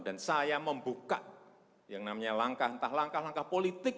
dan saya membuka yang namanya langkah entah langkah langkah politik